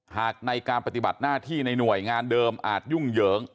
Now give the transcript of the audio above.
หากในการปฏิบัติหน้าที่ในหน่วยงานเดิมอาจยุ่งเหยิง